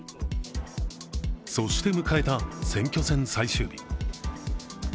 そして迎えた選挙戦最終日。